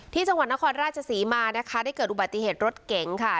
ที่จังหวัดนครราชศรีมานะคะได้เกิดอุบัติเหตุรถเก๋งค่ะ